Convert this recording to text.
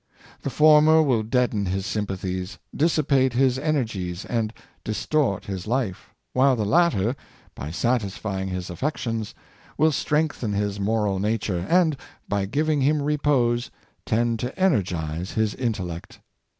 The former will deaden his sympathies, dissipate his energies and dis tort his life; while the latter, by satisfying his affec tions, will strengthen his moral nature, and, by giving him repose, tend to energize his intellect.